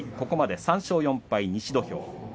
ここまで３勝４敗、西土俵。